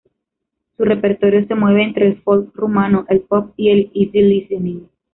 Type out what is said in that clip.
Su repertorio se mueve entre el folk rumano, el pop y el easy listening.